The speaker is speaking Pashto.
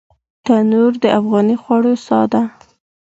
تنور د افغاني خوړو ساه ده